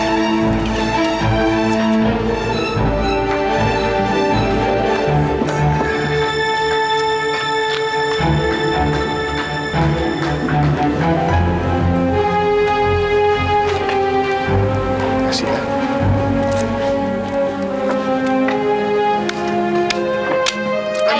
nanti pak prabu